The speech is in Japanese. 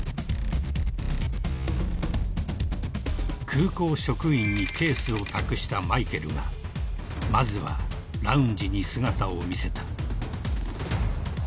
［空港職員にケースを託したマイケルがまずはラウンジに姿を見せた］